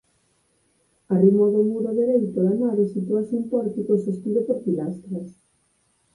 Arrimado ao muro dereito da nave sitúase un pórtico sostido por pilastras.